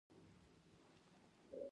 د زیاترو ملګرو سترګې اوښلنې وې.